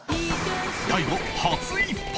大悟初一本